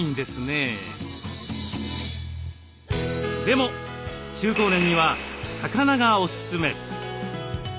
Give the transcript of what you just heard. でも中高年には魚がおすすめ。